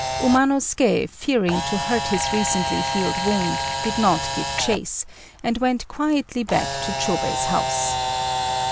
Umanosuké, fearing to hurt his recently healed wound, did not give chase, and went quietly back to Chôbei's house.